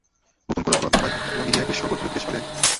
নতুন করে অপরাধ ঘটায়, অথবা মিডিয়ায় বেশি শোরগোল হলে বিদেশে পালায়।